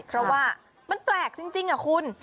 เพราะว่ามันแปลกจริงคุณ